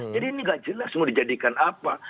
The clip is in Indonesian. jadi ini nggak jelas mau dijadikan apa